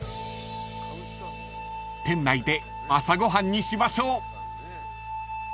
［店内で朝ご飯にしましょう］